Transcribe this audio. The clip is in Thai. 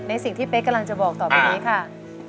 สิ่งที่เป๊กกำลังจะบอกต่อไปนี้ค่ะ